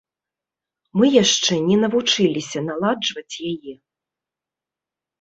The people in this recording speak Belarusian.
Мы яшчэ не навучыліся наладжваць яе.